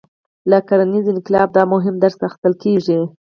له کرنیز انقلاب دا مهم درس اخیستل کېږي.